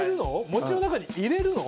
餅の中に入れるの？